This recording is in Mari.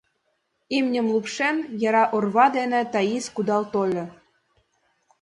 Имньым лупшен, яра орва дене Таис кудал тольо.